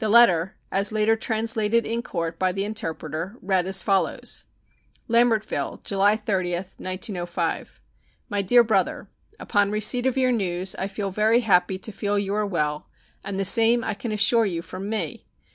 The letter as later translated in court by the interpreter read as follows: LAMBERTVILLE, July 30, 1905. My dear Brother: Upon receipt of your news I feel very happy to feel you are well, and the same I can assure you from me.